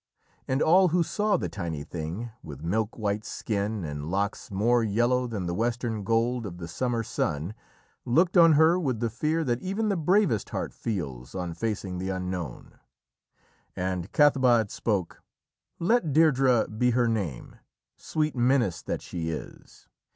And all who saw the tiny thing, with milk white skin, and locks "more yellow than the western gold of the summer sun," looked on her with the fear that even the bravest heart feels on facing the Unknown. And Cathbad spoke: "Let Deirdrê be her name, sweet menace that she is."